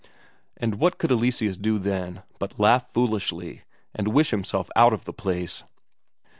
And what could Eleseus do then but laugh foolishly and wish himself out of the place!